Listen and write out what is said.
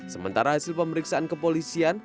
sementara hasil pemeriksaan kepolisian